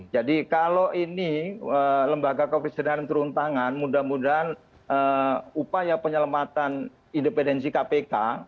jadi kalau ini lembaga keuficienan turun tangan mudah mudahan upaya penyelamatan independensi kpk